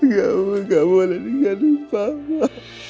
kamu gak boleh tinggalin papa